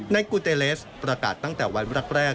กูเตเลสประกาศตั้งแต่วันแรก